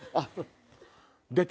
出た？